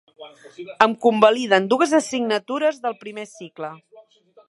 Em convaliden dues assignatures del primer cicle.